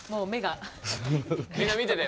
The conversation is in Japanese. みんな見てて。